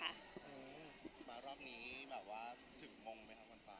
มารอบนี้แบบว่า